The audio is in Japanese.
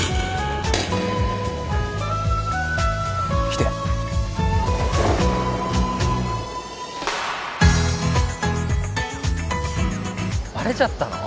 きてバレちゃったの？